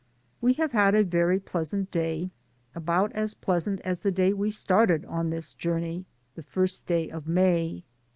We have had a very pleasant day, about as pleasant as the day we started on this jour ney, the first day of May.